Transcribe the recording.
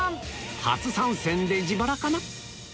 初参戦で自腹かな？